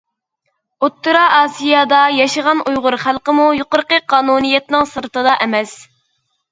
ئوتتۇرا ئاسىيادا ياشىغان ئۇيغۇر خەلقىمۇ يۇقىرىقى قانۇنىيەتنىڭ سىرتىدا ئەمەس.